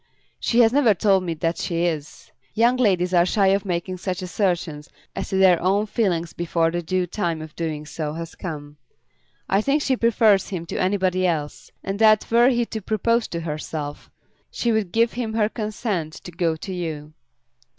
"She has never told me that she is. Young ladies are shy of making such assertions as to their own feelings before the due time for doing so has come. I think she prefers him to anybody else; and that were he to propose to herself, she would give him her consent to go to you."